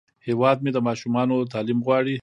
هیواد مې د ماشومانو تعلیم غواړي